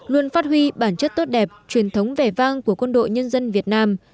luôn phát huy bản chất tốt đẹp truyền thống vẻ vang của quân đội nhân dân việt nam